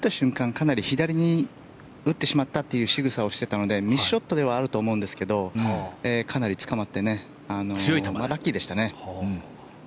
かなり左に打ってしまったというしぐさをしていたのでミスショットではあると思うんですがかなりつかまってラッキーでしたね。